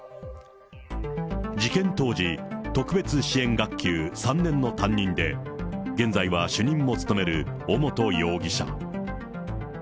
事件当時、特別支援学級３年の担任で、現在は主任も務める尾本容疑者。